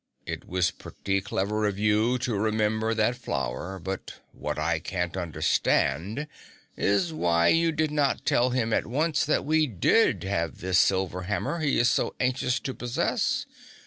It was pretty clever of you to remember that flower, but what I can't understand, is why you did not tell him at once that we did have this silver hammer he is so anxious to possess?